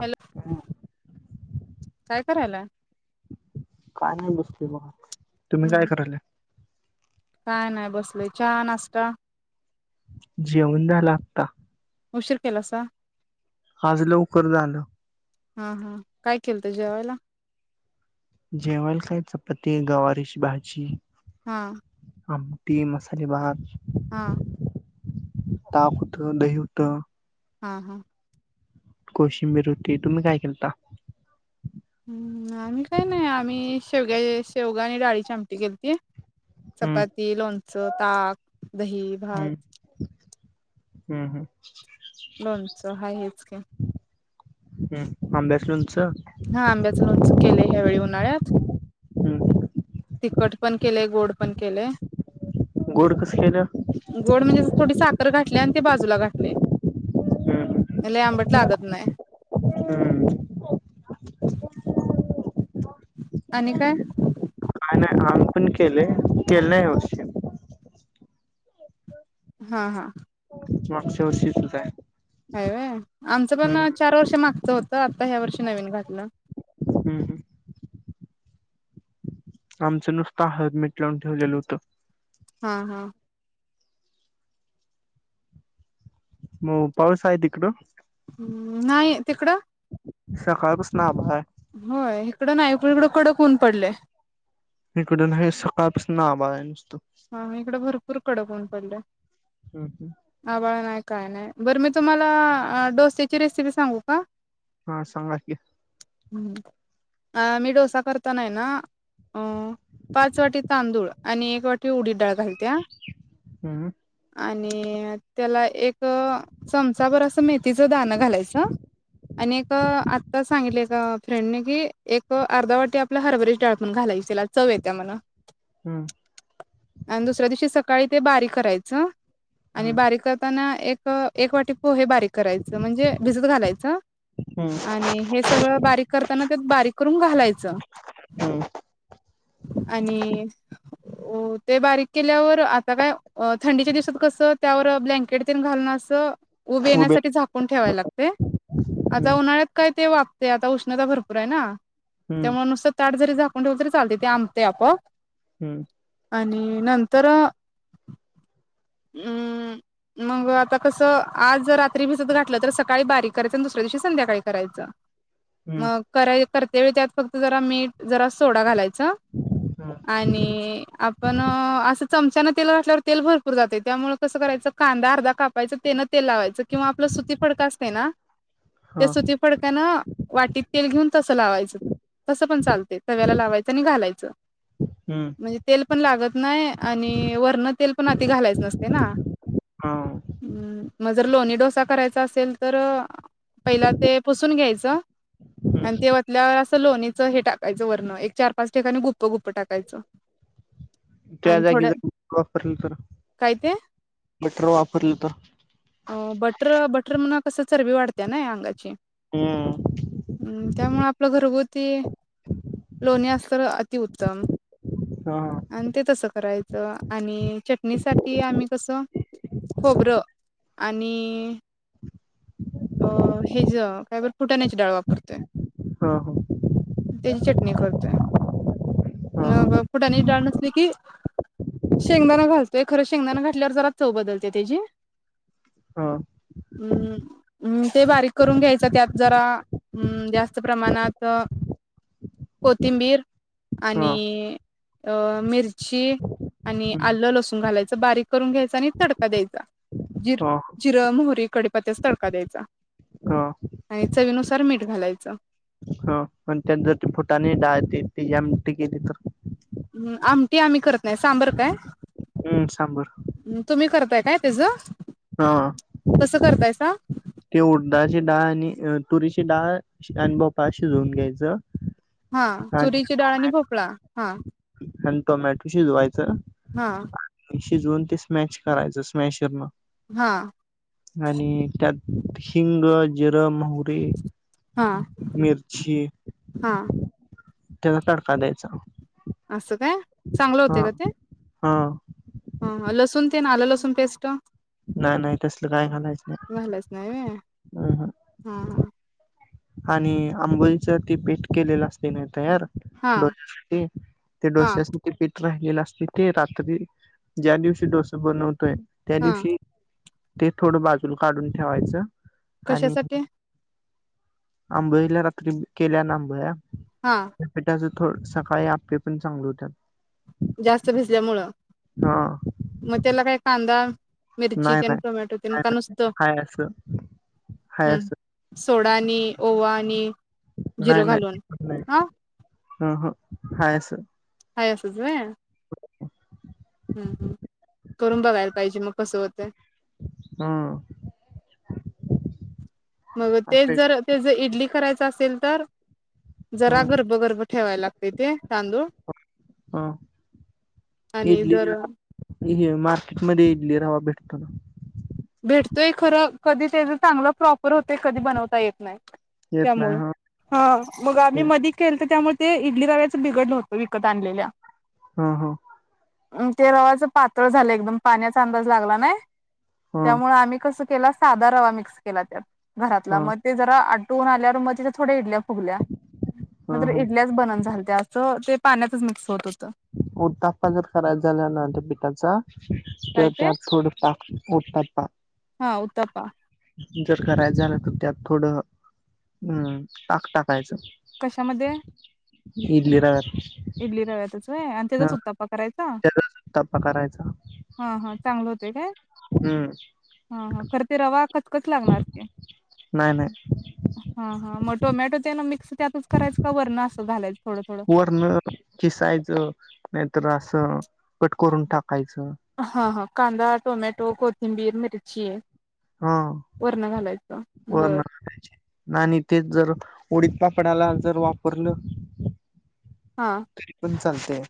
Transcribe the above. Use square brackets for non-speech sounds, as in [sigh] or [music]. Hello. काय करायला. काय नाय बसली बघ. तुम्ही काय हम्म कराले. काय नाय बसलोय चहा नाश्ता. जेवण झालं का. उशीर केलासा. आज लवकर झालं. हा हा काय केलं त जेवायला. जेवायला काय चपाती गवारीची भाजी हा. आमटी मसाले भात हा ताक होतं दही होतं हा हा कोशिंबीर होती तुम्ही काय केलता हम्म आम्ही काही नाही आम्ही शेवग्या शेवगा आणि डाळीच्या आमटी केलती हम्म चपाती लोणचं ताक दही हम्म भात हम्म हम् लोणचं हाय हेच की हम् अंब्याच लोण हा आंब्याचं लोणच केलंय ह्यावेेळी उन्हाळ्यात हम्म तिकट पण केलेय गोड पण केलेय गोड कसं केलं गोड म्हणजे थोडी साखर घाटल्या आणि ते बाजूला घा हम्म [unintelligible] लई आंबट लागत नाइ हम्म [inaudible] आणि काय आम पण केले केलं न्हई य र्षी हा हा मागच्या वर्षीचच हाय हाय वय आमचं पण चार वर्ष मागतं आता ह्या वर्षी नवीन घातलं हम्म हम् आमचं नुसतं ह ळ्द मिट लावून ठेवलेलं होतं हा हा मग पाऊस आहे तिकडं नाही तिकडं सकाळ पसन आबाळाय होय इकडं नाही इकड कडक उऊन पडलय हिकड नई सका पसन आबा आहे नुसत ह म इकड भरपूर कडकून [unintelligible] आबाळ नाई काय नाही बरं मी तुम्हाला डोस्याची रेसिपी सांगू का हा सांगा की ह मी डोसा करताना ना अ पाच वाटी तांदूळ आणि एक वाटी टी उडीद डाळ घालत्या [inaudible] आणि त्याला एक चमचा भर अस मेथीचं दाणं घालायचं आणि एक आत्ता सांगितलं एका फ्रेंडने कि एक अर्धा वाटी आपल्या हरभऱ्याची डाळपन घालायचीला त्याला चव येत्या म्हण हम्म आणि दुसऱ्या दिवशी सकाळी ते बारी करायचं आणि बारीक करताना एक एक वाटी पोहे हे बारीक करायचं म्हणजे भिजत घालायचं, आणि हे सगळं बारीक करताना त्यात बारीक करून घालायचं. हो ते बारीक केल्यावर आता काय थंडीच्या दिवसात कसं त्यावर ब्लँकेट तेन घालून आस! उभे येण्यासाठी झाकून ठेवाय लागते आता उन्हाळ्यात काय ते वा ते आता उष्णता भरपूर आहे ना त्यामुळे नुसतं ताट जरी झा कुण ठेवल तरी चालतंय! ते आबतया आपोआप. हम्म आणि नंतर! हम् मग आता कसं आज जर रात्री भिजत घातलं तर सकाळी बारीक करायचं आणि, दुसऱ्या दिवशी संध्याकाळी करायचं. मग कराय करते व त्यात फक्त जरा मीठ जरा सोडा घालायच. हा आणि आपण असं! चमच्याना तेल घातल्यावर तेल भर पूर जाते त्यामुळेळ कस करायचं कांदा अर्धा कापायचं तेनं तेल लावायचं किंवा आपलं सुती फडक असते ना! त्या हा सुती फडकाना वाटीत तेल घेऊन तसं लावायचं. तसं पण चालते तव्याला लावायचं आणि घालायचं म्हणजे तेल पण लागत नाही आणि वरण तेल पण आ नसतंय ना? जर लोणी डोसा करायचा असेल तर! पहिला ते पुसून घ्यायच. च आणि ते ओतल्यावर असं लोणी हे टाकायचं वर्ण एक चार पाच ठिकाणी गुप्प, गुप्प टाकायचं त्या आणि जागी थोडं जर वापरलं तर? काय ते? बटर वापरलं तर कस चरबी वाढत ना अंगाची! हा हम्म त्यामुळे आपलं घरगोत ती लोणी असल्या अतिउत्तम हा आणि ते तसं करायचं आणि च णीसाठी आम्ही कसं खोबरं आणि अ हेज काय बर फुटाण्याची डाळ वापरतोय हा त्याची चटणी करतोय हा मग पुुडाने ची डाळ न नकीी शेंगदाणा घास. तो खरं शेंगदा घाातल्यावर जरा चव बदलते त्याचीी हो अम् ते बारीक करून घ्यायचं त्यात जरा जास्त प्रमाणात कोथिंबीर हा आणि अ मिरची आणि आलं लसूण घालायच बारीक करून घ्यायचा. आणि तडका द्यायचा. जिर जिरा मोहरी कडेपत्यास तडका द्यायचा हा आणि चवीनुसार मीठ घालायचं. हा पण त्या जर त फोटाने डाळ ती जम टिकेली तर हम्म आमटी आम्ही करत नाही सांबर काय. हम्म सांबर हम् तुम्ही करताय. काय तेस हा कसं करतायसा. ते उडदााची डाळ आणि तुरीची डाळ आणि भोपळा शिजवून घ्यायचं. हा आणि तुरीच्या डाळनी भोक आपला हा आणि टोमॅटो शजुवायचं. हा जोन ते स्मॅश करायच स्मॅशरन हा आणि त्यात हिंग जीर माहूरी हा मिरचीी हा त्याला तडका द्यायचा. असं काय. चांगलं हा होते का ते हा ह लसूण ते ना आलं लसूण पेस्ट नाही नाही तसल काय घालायचं घालायच नाही. व्हय हम हम हा आणि आंबोलीच ती पीठ केलेलं असते नाही तयार. हा डोश्यासाठी ते हा हा डोश्यासाठी पिठ राहि. गला असते ते रात्री ज्या दिवशी डोसा बनवतोय. त्या हा दिवशी ते थोडं बाजू काढून ठेवायचं. कशासाठी आंबोळी रात्री केल्या ना आंबोळी हा ट सु हो सकाळी आप्पे पण चांगले होतात. जास्त भिजल्यामुळं हा मगं त्याला काय कांदा मिरची नाय त्यान नाय टोमॅटो त्यान का हाय नुसतं हाय असं हाय असं. हम्म सोडा आणि ओवा आणि नाय जिरं नाय घालून नाय हा हम्म हम्म. हाय असं. हाय असंच व्हय. [inaudible] हम्म हम्म करून बघायल पाहिजे मगं कसं होतय? हम्म. मग तेच जर ते ज इडली करायच असेल तर? जरा हं गरब-गरब ठेवायला लागतंय ते तांदूळ हं आणि इडली जर हे मार्केट मध्ये इडली रवा भेटतो ना. भेटतय खरं कधी त्याच चांगलं प्रॉप होते कधी बनवता येत नाही, येत नाही त्यामुळे हा हम्म मगं आम्ही ते मधी केलत त्यामुळ ते इडली रव्याच बिघडलं होत विकत आणलेल्या. हां हां. अन ते रव्याचं पातळ झालं एकदम पाण्याचा अंदाज लागला नाय. हा त्यामुळे आम्ही कसं केला साध रवा मिक्स केला त्यात. घरातला हा म ते जरा फोन आल्यावर म तिथं थोडी इडल्या फुगल्या हा नाहीतर हा इडल्याच बनून झालत्या अंस ते पाण्यातच मिक्स होत उतप्पा जर खराब झाला ना त्या पिठाचा? त काय ते त्यात थोड ताक ओतता पा हां उतप्पा. जर करायच झालं तर त्यात थोडं हम्म ताक टाकायचं. कशामध्ये? इडली रव्यात. इडली रव्यातच व्हय आणि त्याचाच ह उत्ताप्पा करायचा त्याचाच उत्ताप्पा करायचा हां हां चांगलं होतंय काय? हम्म हां हां खरं ते रवा क कस लागणार ते? नाही नाही हम्म हम्म म टोमॅटो त्यांन मिक कसं त्यातच करायचं का वरण असं घालायचं? थोडं थोडं वरणं खिसायचं नाहीतर, असं कट करून टाकायचं. हा हा कांदा, टोमॅटो, कोथिंबीर, मिर्ची हा वरणं बर टाकायची आणि तेच जर उडीद पापडाला जर वापरलं? हा. तरी पण चा चालतय.